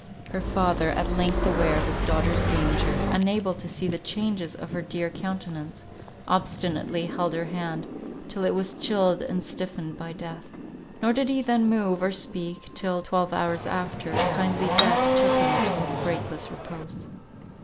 Her father, at length aware of his daughter's danger, unable to see the changes of her dear countenance, obstinately held her hand, till it was chilled and stiffened by death. Nor did he then move or speak, till, twelve hours after, kindly death took him to his breakless repose.